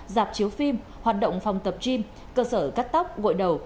dạp chiếu phim hoạt động phòng tập gym cơ sở cắt tóc gội đầu